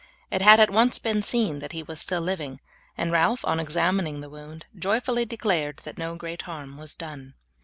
It had at once been seen that he was still living, and Ralph on examining the wound joyfully declared that no great harm was done.